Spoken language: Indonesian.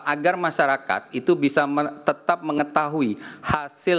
agar masyarakat itu bisa tetap mengetahui hasil